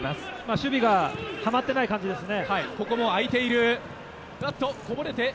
守備がはまっていない感じですね。